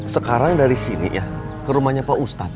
sekarang dari sini ya ke rumahnya pak ustadz